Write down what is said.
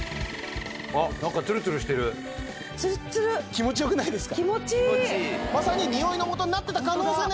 気持ち良くないですか？